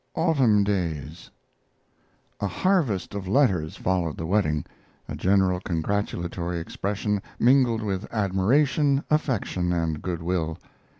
AUTUMN DAYS A harvest of letters followed the wedding: a general congratulatory expression, mingled with admiration, affection, and good will.